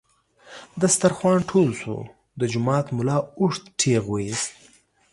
دسترخوان ټول شو، د جومات ملا اوږد ټېغ ویست.